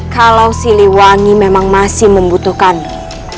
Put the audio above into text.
kalau si liwangi memang masih membutuhkanmu